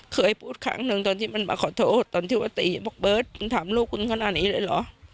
เคยพูดครั้งหนึ่งตอนที่มันมาขอโทษตอนที่ว่าตีบอกเบิร์ตมึงถามลูกคุณขนาดนี้เลยเหรอ